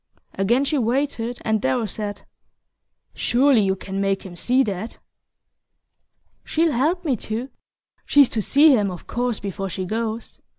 Again she waited, and Darrow said: "Surely you can make him see that." "She'll help me to she's to see him, of course, before she goes.